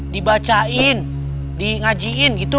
dibacain di ngajiin gitu